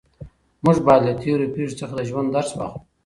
موږ باید له تېرو پېښو څخه د ژوند درس واخلو.